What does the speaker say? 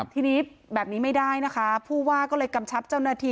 ทีนี้แบบนี้ไม่ได้นะคะผู้ว่าก็เลยกำชับเจ้าหน้าที่